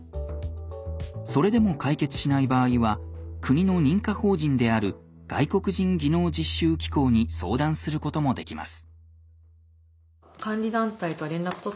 それでも解決しない場合は国の認可法人である外国人技能実習機構に相談することもできます。